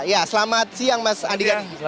ya selamat siang mas andi gani